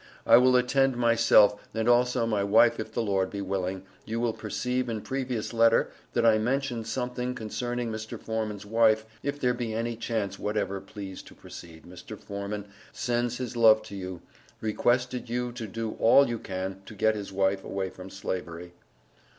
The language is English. I will attend myself and also my wife if the Lord be willing you will perceive in previous letter that I mension something concerning Mr Forman's wife if there be any chance whatever please to proceed, Mr Foreman sends his love to you Requested you to do all you can to get his wife away from Slavery.